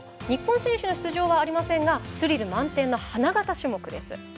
日本選手の出場はありませんがスリル満点の花形種目です。